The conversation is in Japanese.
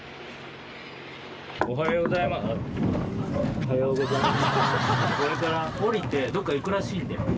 おはようございます。